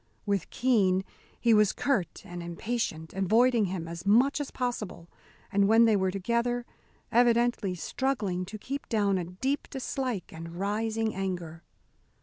With Keene he was curt and impatient, avoiding him as much as possible, and when they were together, evidently struggling to keep down a deep dislike and rising anger.